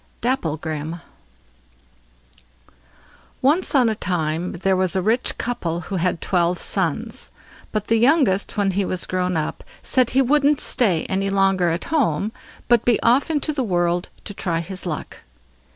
DAPPLEGRIM Once on a time there was a rich couple who had twelve sons; but the youngest when he was grown up, said he wouldn't stay any longer at home, but be off into the world to try his luck.